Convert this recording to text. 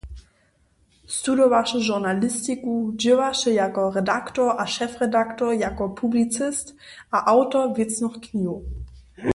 Studowaše žurnalistiku, dźěłaše jako redaktor a šefredaktor, jako publicist a awtor wěcnych knihow.